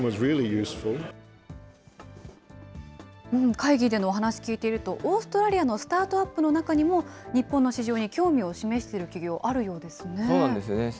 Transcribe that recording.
会議でのお話聞いていると、オーストラリアのスタートアップの中にも、日本の市場に興味を示そうなんですね。